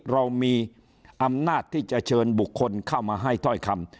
เรามีอำนาจที่จะเชิญบุคคลเข้ามาให้ถ้อยคำ